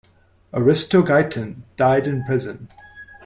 Aristogeiton died in prison.